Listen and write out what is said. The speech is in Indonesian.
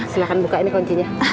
silahkan buka ini kuncinya